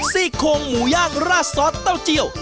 ซี่โคงหมูย่างราดซอสเต้าเจียว